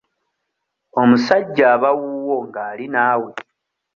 Omusajja aba wuwo nga ali naawe.